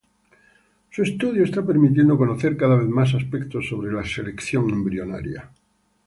Su estudio está permitiendo conocer cada vez más aspectos sobre la selección embrionaria.